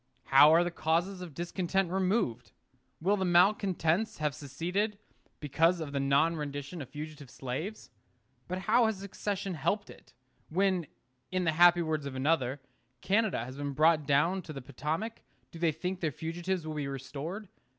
How are the causes of discontent removed? Will the malcontents have seceded because of the non rendition of fugitive slaves? But how has secession helped it? When, in the happy words of another, Canada has been brought down to the Potomac, do they think their fugitives will be restored?